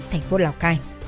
thành phố lào cai